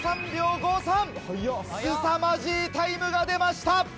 すさまじいタイムが出ました！